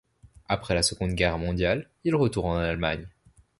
Après la Seconde Guerre mondiale, il retourne en Allemagne.